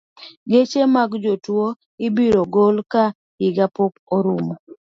Geche mag jotuo ibiro gol ka higa pok orumo.